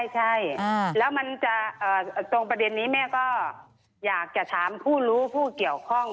ใช่แล้วมันจะตรงประเด็นนี้แม่ก็อยากจะถามผู้รู้ผู้เกี่ยวข้อง